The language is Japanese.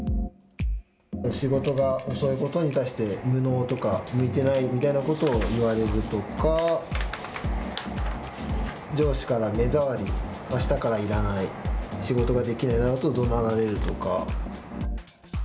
仕事が遅いことに対して、無能とか向いてないみたいなことを言われるとか、上司から目障り、あしたからいらない、仕事ができないなどとどなられるとか。